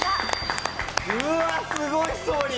うわっすごいストーリー！